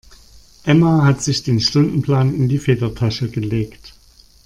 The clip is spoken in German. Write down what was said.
Emma hat sich den Stundenplan in die Federtasche gelegt.